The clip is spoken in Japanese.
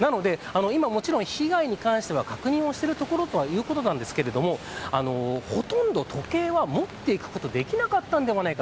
今もちろ被害に関しては確認しているところということなんですがほとんど時計は持っていくことはできなかったんではないか。